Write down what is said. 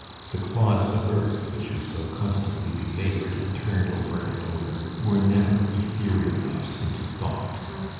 The dods of earth, which we so constantly belaboured and turned over and over, were never etherealized into thought.